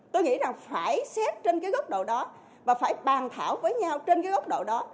tôi nghĩ rằng phải xét trên góc độ đó và phải bàn thảo với nhau trên góc độ đó